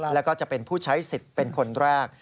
แล้วก็จะเป็นผู้ใช้สิทธิ์เป็นคนแรก